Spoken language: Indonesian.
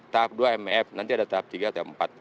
tahap dua mef nanti ada tahap tiga tahap empat